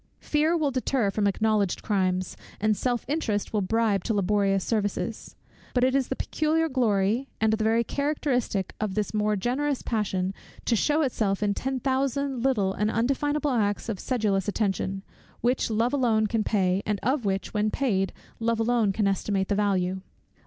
Fear will deter from acknowledged crimes, and self interest will bribe to laborious services: but it is the peculiar glory, and the very characteristic, of this more generous passion, to shew itself in ten thousand little and undefinable acts of sedulous attention, which love alone can pay, and of which, when paid, love alone can estimate the value.